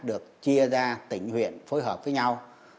được chia ra tỉnh huyện phối hợp với nhau